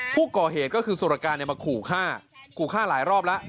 ผู้ก่อเหตุก็คือสุรการมาขู่ฆ่าขู่ฆ่าหลายรอบแล้ว